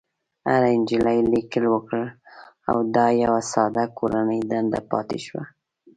هرې نجلۍ ليکل وکړل او دا يوه ساده کورنۍ دنده پاتې شوه.